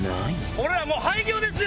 俺ら廃業ですよ！